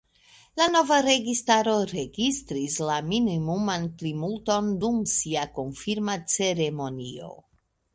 La nova registaro registris la minimuman plimulton dum sia konfirma ceremonio.